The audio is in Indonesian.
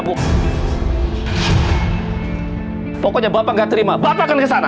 pokoknya bapak nggak terima bapak akan kesana